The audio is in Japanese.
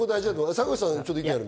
坂口さん。